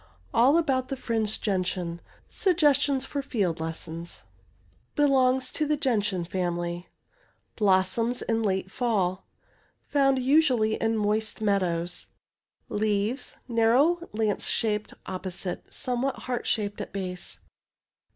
'' ALL ABOUT THE FRINGED GENTIAN SUGGESTIONS FOR FIELD LESSONS Belongs to gentian family. Blossoms in late fall. Fomid usually in moist meadows. Leaves— narrow, lance shaped— opposite— somewhat heart shaped at base.